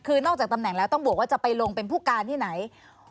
คือนอกจากตำแหน่งแล้วต้องบวกว่าจะไปลงเป็นผู้การที่ไหน